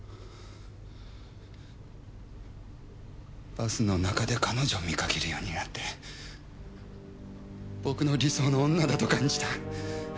バスの中で彼女を見かけるようになって僕の理想の女だと感じた。